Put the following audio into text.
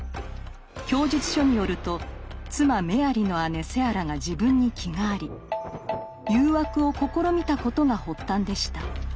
供述書によると妻メアリの姉セアラが自分に気があり誘惑を試みたことが発端でした。